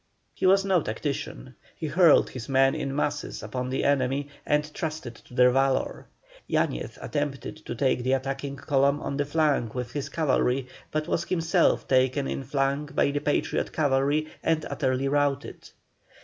He was no tactician; he hurled his men in masses upon the enemy, and trusted to their valour. Yañez attempted to take the attacking column on the flank with his cavalry, but was himself taken in flank by the Patriot cavalry, and utterly routed.